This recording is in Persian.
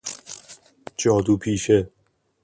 جادو پیشه